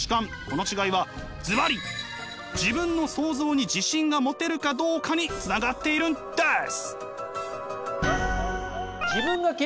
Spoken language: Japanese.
この違いはズバリ自分の想像に自信が持てるかどうかにつながっているんです！